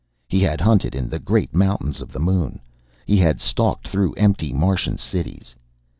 He had hunted in the great mountains of the moon. He had stalked through empty Martian cities.